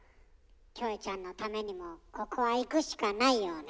キョエちゃんのためにもここはいくしかないようね。